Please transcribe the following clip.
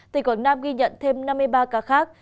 tỉnh quảng nam ghi nhận thêm năm mươi ba ca khác